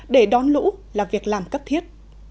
để đón lũ là việc làm cấp thiết